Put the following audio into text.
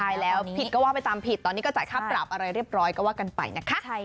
ใช่แล้วผิดก็ว่าไปตามผิดตอนนี้ก็จ่ายค่าปรับอะไรเรียบร้อยก็ว่ากันไปนะคะ